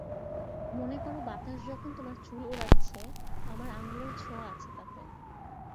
মনে কোরো বাতাস যখন তোমার চুল ওড়াচ্ছে আমার আঙুলের ছোঁয়া আছে তাতে।